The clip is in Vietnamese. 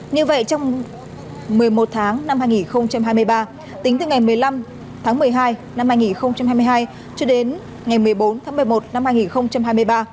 như vậy trong một mươi một tháng năm hai nghìn hai mươi ba tính từ ngày một mươi năm tháng một mươi hai năm hai nghìn hai mươi hai cho đến ngày một mươi bốn tháng một mươi một năm hai nghìn hai mươi ba